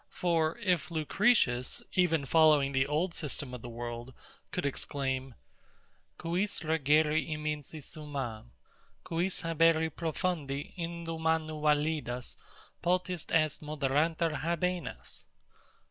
For, if LUCRETIUS[Lib. II. 1094], even following the old system of the world, could exclaim, Quis regere immensi summam, quis habere profundi Indu manu validas potis est moderanter habenas?